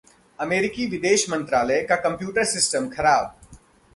अमेरिकी विदेश मंत्रालय का कम्प्यूटर सिस्टम खराब